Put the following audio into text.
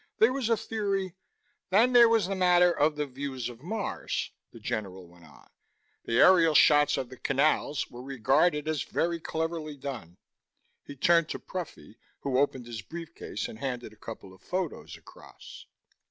"There was a theory " "Then there was the matter of the views of Mars," the general went on. "The aerial shots of the 'canals' were regarded as very cleverly done." He turned to Pruffy, who opened his briefcase and handed a couple of photos across.